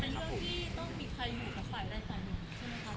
แล้วก็เป็นเรื่องที่ต้องมีใครอยู่กับฝ่ายรายละเอียดมันใช่ไหมครับ